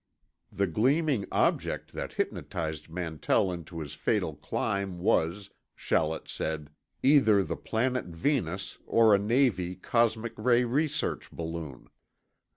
The gleaming object that hypnotized Mantell into this fatal climb was, Shallett said, either the planet Venus or a Navy cosmic ray research balloon.